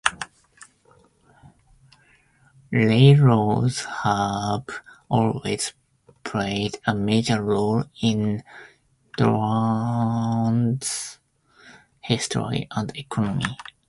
Railroads have always played a major role in Durand's history and economy.